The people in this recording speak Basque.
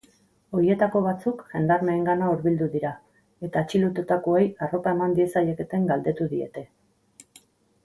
Hoietako batzuk jendarmeengana hurbildu dira, eta atxilotutakoei arropa eman diezaieketen galdetu diete.